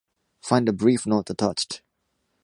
Find a brief note attached.